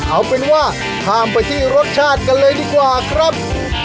เอาเป็นว่าข้ามไปที่รสชาติกันเลยดีกว่าครับ